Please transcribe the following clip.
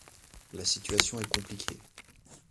La situation est compliquée.